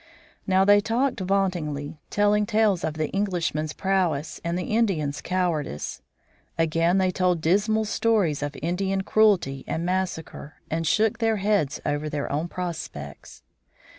Now they talked vauntingly, telling tales of the Englishman's prowess and the Indian's cowardice. Again, they told dismal stories of Indian cruelty and massacre, and shook their heads over their own prospects.